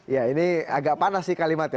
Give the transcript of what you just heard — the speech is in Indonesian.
ya ini agak panas sih kalimatnya